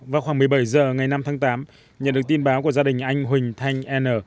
vào khoảng một mươi bảy h ngày năm tháng tám nhận được tin báo của gia đình anh huỳnh thanh n